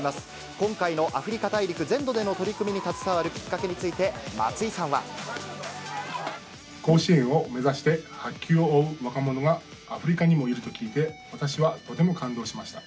今回のアフリカ大陸全土での取り組みに携わるきっかけについて、松井さんは。甲子園を目指して白球を追う若者がアフリカにもいると聞いて、私はとても感動しました。